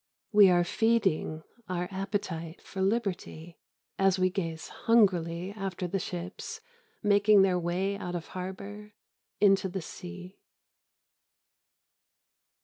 We are feeding our appetite for liberty as we gaze hungrily after the ships making their way out of harbour into the sea.